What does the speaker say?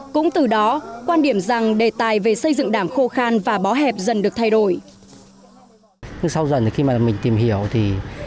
cũng từ đó quan điểm rằng đề tài về xây dựng đảng khô khan và bó hẹp dần được thay đổi